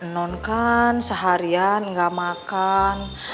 non kan seharian gak makan